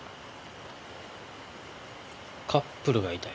カップルがいたよ。